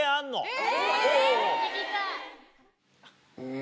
え！